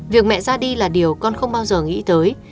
việc mẹ ra đi là điều con không bao giờ nghĩ tới